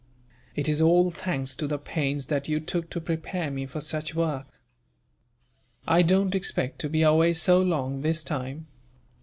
"It is all thanks to the pains that you took to prepare me for such work. "I don't expect to be away so long, this time.